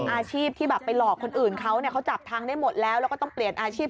อาชีพที่แบบไปหลอกคนอื่นเขาเนี่ยเขาจับทางได้หมดแล้วแล้วก็ต้องเปลี่ยนอาชีพ